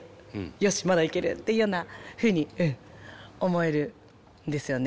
「よしまだいける」っていうようなふうに思えるんですよね。